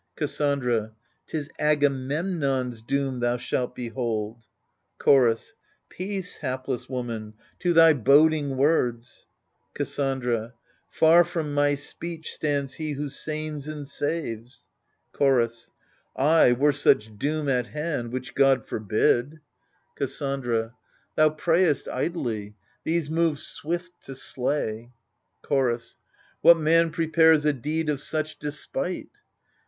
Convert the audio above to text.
Cassandra 'Tis Agamemnon's doom thou shalt behold. Chorus Peace, hapless woman, to thy boding words I Cassandra Far from my speech stands he who sains and saves. Chorus Ay — were such doom at hand *— which God forbid ! AGAMEMNON 57 Cassandra Thou prayest idly — these move swift to slay. Chorus What man prepares a deed of such despite